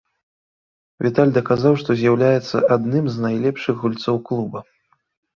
Віталь даказаў, што з'яўляецца адным з найлепшых гульцоў клуба.